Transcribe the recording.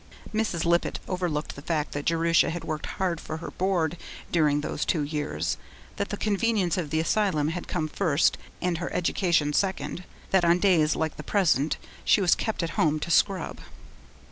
Mrs. Lippett overlooked the fact that Jerusha had worked hard for her board during those two years, that the convenience of the asylum had come first and her education second; that on days like the present she was kept at home to scrub.